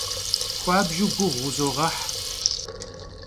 Xuabju guğu vuzoğeh.